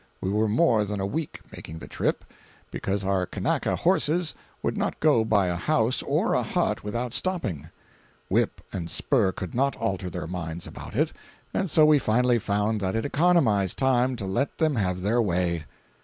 We were more than a week making the trip, because our Kanaka horses would not go by a house or a hut without stopping—whip and spur could not alter their minds about it, and so we finally found that it economized time to let them have their way.